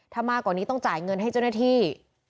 ถ้ามากกว่านี้ต้องจ่ายเงินให้เจ้าหน้าที่